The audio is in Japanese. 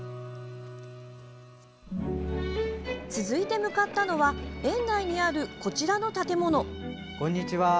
続いて向かったのは園内にある、こちらの建物。